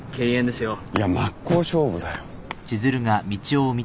いや真っ向勝負だよ。